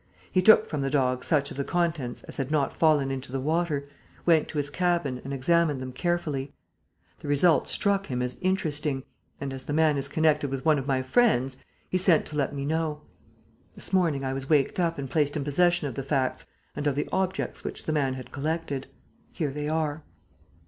He took from the dog such of the contents as had not fallen into the water, went to his cabin and examined them carefully. The result struck him as interesting; and, as the man is connected with one of my friends, he sent to let me know. This morning I was waked up and placed in possession of the facts and of the objects which the man had collected. Here they are."